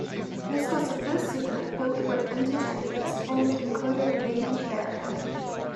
This was the first segment built with interchanges, and included a median barrier.